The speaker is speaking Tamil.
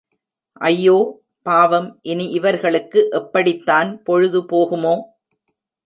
ஐயோ, பாவம் இனி இவர்களுக்கு எப்படித் தான் பொழுது போகுமோ!